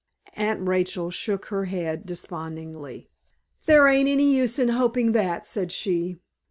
Aunt Rachel shook her head despondingly. "There ain't any use in hoping that," said she.